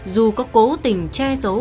dù có cố tình che giấu